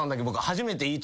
僕初めて。